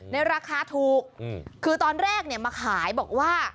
ราคาถูกคือตอนแรกเนี่ยมาขายบอกว่า